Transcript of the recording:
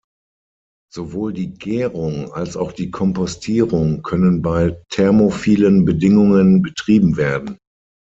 Sowohl die Gärung als auch die Kompostierung können bei thermophilen Bedingungen betrieben werden.